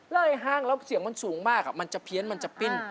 เลยห้างแล้วเสียงมันสูงมากมันจะเพี้ยนมันจะปิ้น